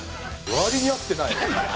割に合ってない。